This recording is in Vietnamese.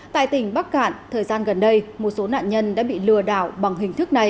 tại tỉnh bắc cạn thời gian gần đây một số nạn nhân đã bị lừa đảo bằng hình thức này